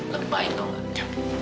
lebih baik tau gak